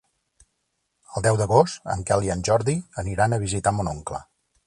El deu d'agost en Quel i en Jordi aniran a visitar mon oncle.